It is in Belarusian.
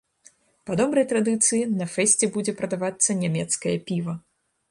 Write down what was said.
Па добрай традыцыі, на фэсце будзе прадавацца нямецкае піва.